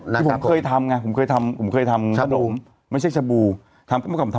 ที่ผมเคยทำไงผมเคยทำชาบูไม่ใช่ชาบูทำไอฟ์มอนสเตอร์